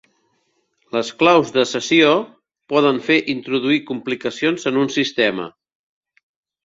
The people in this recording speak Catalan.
Les claus de sessió poden fer introduir complicacions en un sistema.